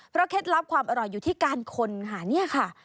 เพราะเคล็ดลับความอร่อยอยู่ที่การคนค่ะเนี่ยค่ะ